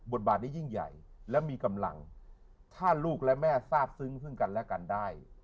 บาทนี้ยิ่งใหญ่และมีกำลังถ้าลูกและแม่ทราบซึ้งซึ่งกันและกันได้